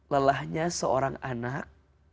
lelahnya seorang anak